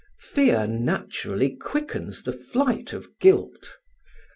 Fear naturally quickens the flight of guilt.